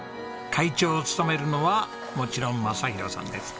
会長を務めるのはもちろん正博さんです。